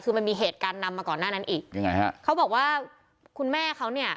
คือมันมีเหตุการณ์นำมาก่อนหน้านั้นอีกยังไงฮะเขาบอกว่าคุณแม่เขาเนี่ย